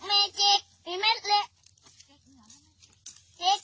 เนื้องัวกินไปกี่ต้นอ่ะลูก